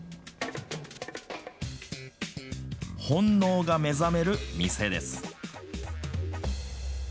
本脳が目覚める店です。